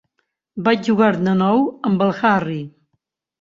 Vaig jugar-ne nou amb el Harry.